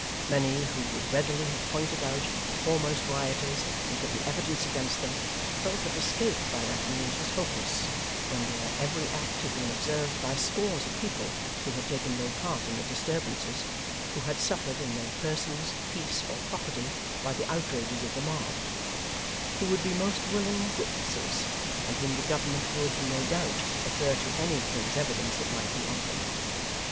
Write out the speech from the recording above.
Many who would readily have pointed out the foremost rioters and given evidence against them, felt that escape by that means was hopeless, when their every act had been observed by scores of people who had taken no part in the disturbances; who had suffered in their persons, peace, or property, by the outrages of the mob; who would be most willing witnesses; and whom the government would, no doubt, prefer to any King's evidence that might be offered.